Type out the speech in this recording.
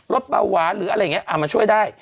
เบาหวานหรืออะไรอย่างนี้มาช่วยได้